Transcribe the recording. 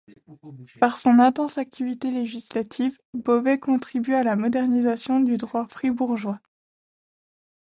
Par son intense activité législative, Bovet contribue à la modernisation du droit fribourgeois.